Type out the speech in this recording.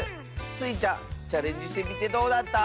スイちゃんチャレンジしてみてどうだった？